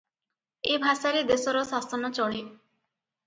ଏ ଭାଷାରେ ଦେଶର ଶାସନ ଚଳେ ।